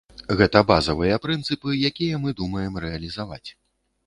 Гэта базавыя прынцыпы, якія мы думаем рэалізаваць.